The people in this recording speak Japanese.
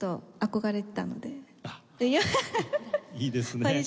いいですね。